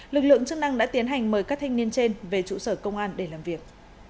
lực lượng chức năng đã tiến hành mời các thanh niên trên về trụ sở công an để làm việc